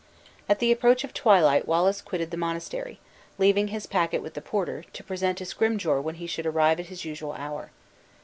At the approach of twilight Wallace quitted the monastery, leaving his packet with the porter, to present to Scrymgeour when he should arrive at his usual hour.